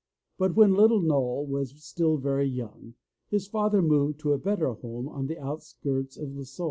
But when little Noll was still very young, his father moved to a better home on the outskirts of Lissoy.